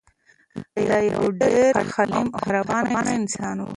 دی یو ډېر حلیم او مهربان انسان و.